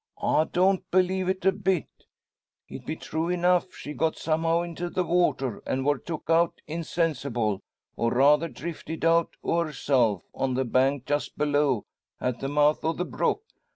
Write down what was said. "I don't believe it, a bit. It be true enough she got somehow into the water, an' wor took out insensible, or rather drifted out o' herself, on the bank just below, at the mouth o' the brook.